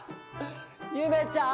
ゆめちゃん！